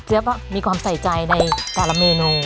เจ๊บมีความใส่ใจในการะเมนู